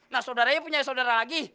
nah saudaranya punya saudara lagi